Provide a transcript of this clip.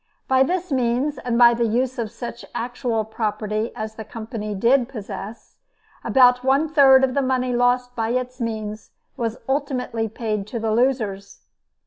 By this means and by the use of such actual property as the Company did possess, about one third of the money lost by its means was ultimately paid to the losers.